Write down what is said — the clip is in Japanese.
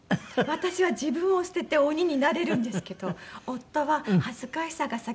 私は自分を捨てて鬼になれるんですけど夫は恥ずかしさが先きちゃう。